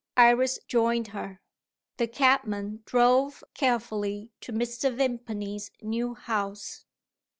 Iris joined her. The cabman drove carefully to Mr. Vimpany's new house.